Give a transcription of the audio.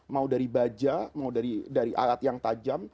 mau dari baja mau dari alat yang tajam